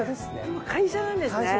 もう会社なんですね。